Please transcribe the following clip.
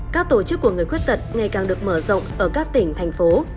các tổ chức của người khuyết tật ngày càng được mở rộng ở các tỉnh thành phố